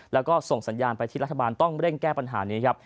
แล้วก็ส่งสัญญาณไปที่รัฐบาลต้องเร่งแก้ปัญหานี้ครับ